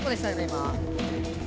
今。